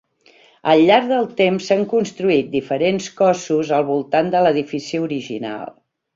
Al llarg del temps s'han construït diferents cossos al voltant de l'edifici original.